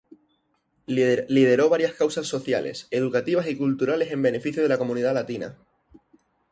Lideró varias causas sociales, educativas y culturales en beneficio de la comunidad latina.